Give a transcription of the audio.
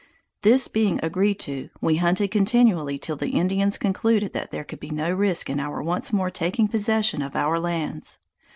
This being agreed to, we hunted continually till the Indians concluded that there could be no risk in our once more taking possession of our lands.